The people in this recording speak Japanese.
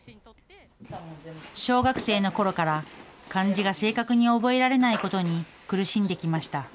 小学生のころから漢字が正確に覚えられないことに苦しんできました。